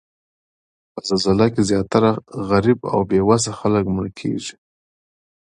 په زلزله کې زیاتره غریب او بې وسه خلک مړه کیږي